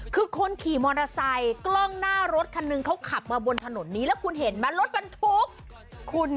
คือคนขี่มอเตอร์ไซค์กล้องหน้ารถคันหนึ่งเขาขับมาบนถนนนี้แล้วคุณเห็นไหมรถบรรทุกคุณ